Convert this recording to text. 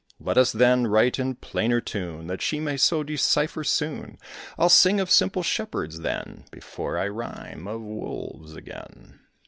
Let us, then, write in plainer tune, That she may so decipher soon. I'll sing of simple shepherds, then, Before I rhyme of wolves again.